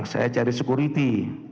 saya cari sekuriti